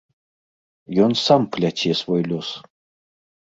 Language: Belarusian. Ён сам пляце свой лёс.